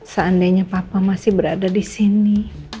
seandainya papa masih berada disini